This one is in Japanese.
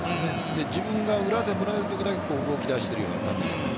自分が裏でもらえるときだけ動き出しているような感じ。